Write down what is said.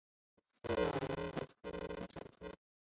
附近有云母产出。